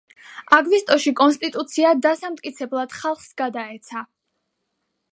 აგვისტოში კონსტიტუცია დასამტკიცებლად ხალხს გადაეცა.